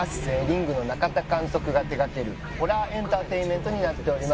『リング』の中田監督が手掛けるホラーエンターテインメントになっております。